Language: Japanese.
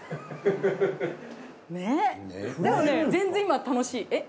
でもね全然今楽しいえっ？